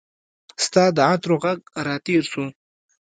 ستا د عطرو ږغ راتیر سو